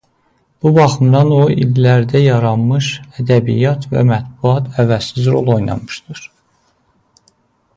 Bu baxımdan o illərdə yaranmış ədəbiyyat və mətbuat əvəzsiz rol oynamışdır.